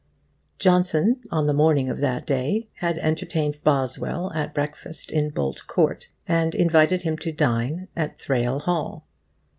Johnson, on the morning of that day, had entertained Boswell at breakfast in Bolt Court, and invited him to dine at Thrale Hall.